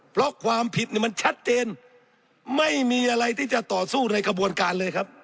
เพราะความผิดมันชัดเจนไม่มีอะไรที่จะต่อสู้ในกระบวนการเลยครับ